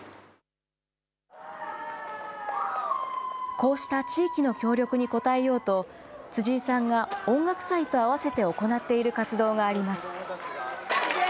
こうした地域の協力に応えようと、辻井さんが音楽祭と合わせて行っている活動があります。